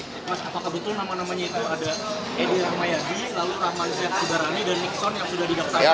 mas apakah betul nama namanya itu ada edi rahmayadi lalu rahman sehat sudarani dan nixon yang sudah didaftarkan